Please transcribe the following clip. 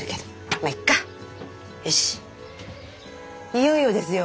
いよいよですよ。